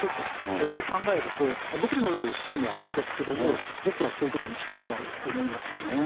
いろいろ考えると、独自のルールを作るのはいいんですけれども、僕はそういうところに行きたいとは思いませんね。